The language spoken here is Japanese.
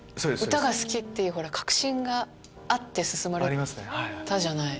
歌が好き！っていう確信があって進まれたじゃない？